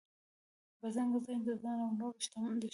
بدرنګه ذهن د ځان او نورو دښمن دی